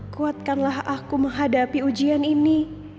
kuatkanlah aku menghadapi ujian ini